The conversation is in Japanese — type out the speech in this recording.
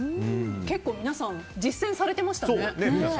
結構、皆さん実践されてましたね。